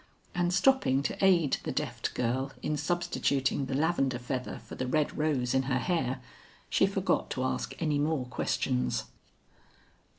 And stopping to aid the deft girl in substituting the lavender feather for the red rose in her hair she forgot to ask any more questions.